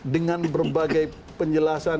dengan berbagai penjelasan